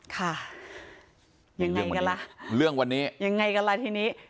ค่ะยังไงกันล่ะเรื่องวันนี้ยังไงกันล่ะทีนี้